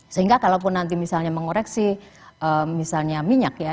sehingga kalaupun nanti misalnya mengoreksi misalnya minyak ya